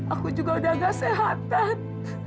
aku juga udah nggak sehatan